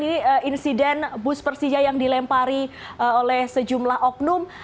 ini insiden bus persija yang dilempari oleh sejumlah oknum